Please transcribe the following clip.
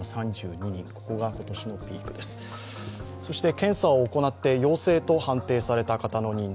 検査を行って陽性と判定された方の人数